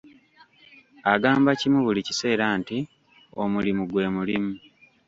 Agamba kimu buli kiseera nti omulimu gwe mulimu.